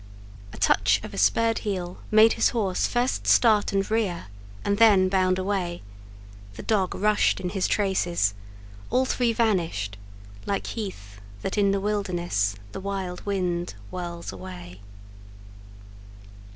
A touch of a spurred heel made his horse first start and rear, and then bound away; the dog rushed in his traces; all three vanished, "Like heath that, in the wilderness, The wild wind whirls away."